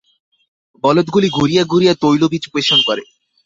বলদগুলি ঘুরিয়া ঘুরিয়া তৈলবীজ পেষণ করে।